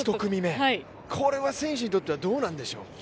これは選手にとってどうなんでしょう？